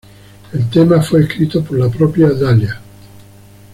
El tema fue escrito por la propia Dahlia.